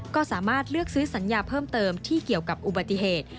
ก็สามารถเลือกซื้อสัญญาเพิ่มเติมที่เกี่ยวกับอุบัติเหตุ